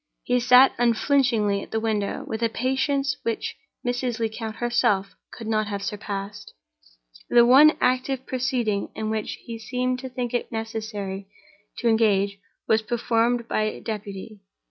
He sat unflinchingly at the window with a patience which Mrs. Lecount herself could not have surpassed. The one active proceeding in which he seemed to think it necessary to engage was performed by deputy.